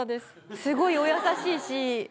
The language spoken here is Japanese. すごいお優しいし。